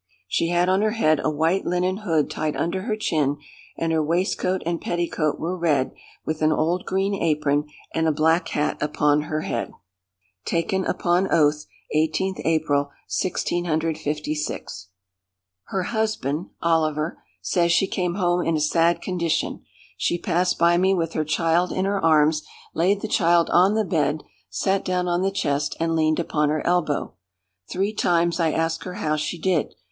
She had on her head a white linen hood tied under her chin, and her waistcoat and petticoat were red, with an old green apron, and a black hat upon her head."—Taken upon oath, 18th April, 1656. "Her husband (Oliver) says, she came home in a sad condition. She passed by me with her child in her arms, laid the child on the bed, sat down on the chest, and leaned upon her elbow. Three times I asked her how she did.